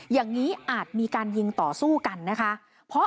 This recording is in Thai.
อย่างนี้อาจมีการยิงต่อสู้กันนะคะ